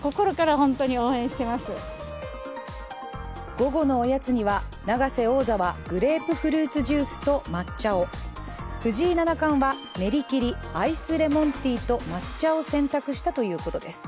午後のおやつには、永瀬王座はグレープフルーツジュースと抹茶を藤井七冠は練り切り、アイスレモンティーと抹茶を選択したということです。